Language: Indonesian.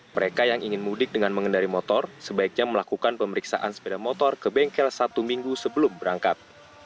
mereka yang ingin mudik dengan mengendari motor sebaiknya melakukan pemeriksaan sepeda motor ke bengkel satu minggu sebelum berangkat